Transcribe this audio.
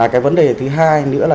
cái vấn đề thứ hai nữa là